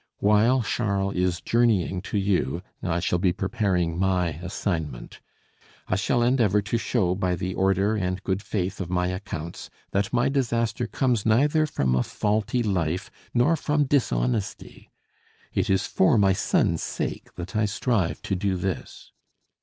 While Charles is journeying to you I shall be preparing my assignment. I shall endeavor to show by the order and good faith of my accounts that my disaster comes neither from a faulty life nor from dishonesty. It is for my son's sake that I strive to do this.